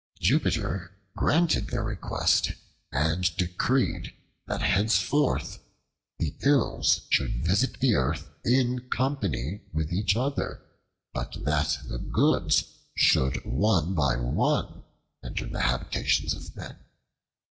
Jupiter granted their request and decreed that henceforth the Ills should visit the earth in company with each other, but that the Goods should one by one enter the habitations of men.